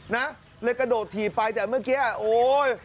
นะเลยกระโดดถีบไปแต่เมื่อกี้โอ๊ย